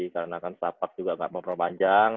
karena kan staffa juga gak mempromos panjang